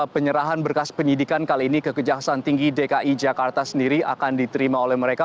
penyerahan berkas penyidikan kali ini ke kejaksaan tinggi dki jakarta sendiri akan diterima oleh mereka